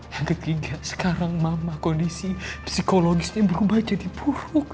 yang ketiga sekarang mama kondisi psikologisnya berubah jadi buruk